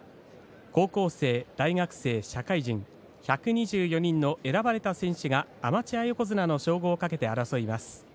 高校生、大学生、社会人１２４人の選ばれた選手がアマチュア横綱の称号をかけて争います。